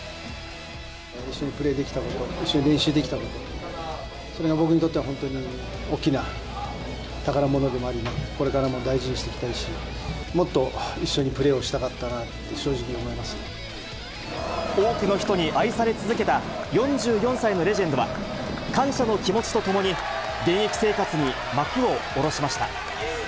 一緒にプレーできたこと、一緒に練習できたこと、それが僕にとっては本当に大きな宝物でもあり、これからも大事にしていきたいし、もっと一緒にプレーをしたかったなと正直、多くの人に愛され続けた４４歳のレジェンドは、感謝の気持ちとともに、現役生活に幕を下ろしました。